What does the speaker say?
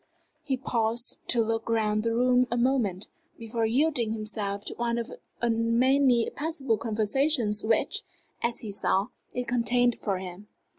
He paused to look round the room a moment, before yielding himself to one of the many possible conversations which, as he saw, it contained for him.